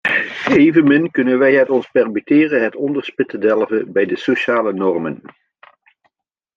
Evenmin kunnen wij het ons permitteren het onderspit te delven bij de sociale normen.